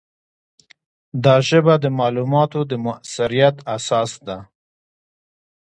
دا ژبه د معلوماتو د موثریت اساس ده.